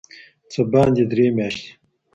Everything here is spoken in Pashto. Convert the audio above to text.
څه باندي درې میاشتي